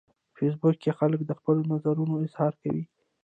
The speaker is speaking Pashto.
په فېسبوک کې خلک د خپلو نظرونو اظهار کوي